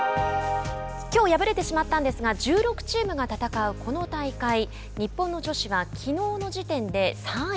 きょう敗れてしまったんですが１６チームが戦うこの大会日本の女子はきのうの時点で３位。